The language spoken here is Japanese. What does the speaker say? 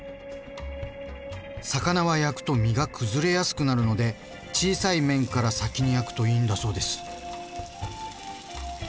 魚は焼くと身が崩れやすくなるので小さい面から先に焼くといいんだそうです。